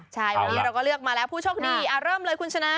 ใช่วันนี้เราก็เลือกมาแล้วผู้โชคดีเริ่มเลยคุณชนะ